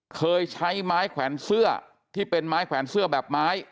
เคยใช้ไม้แขวนเสื้อที่เป็นไม้แขวนเสื้อแบบไม้